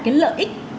cái lợi ích